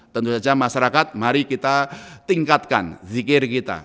tentu saja masyarakat mari kita tingkatkan zikir kita